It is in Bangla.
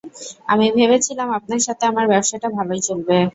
আমি ভেবেছিলাম আপনার সাথে আমার ব্যাবসাটা ভালোই চলবে।